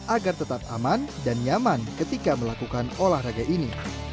agar tetap aman dan nyaman ketika melakukan olahraga ini